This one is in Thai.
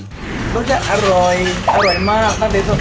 ก็จะอร่อยอร่อยมาก